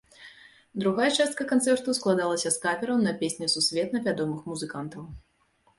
Другая частка канцэрту складалася з кавероў на песні сусветна вядомых музыкантаў.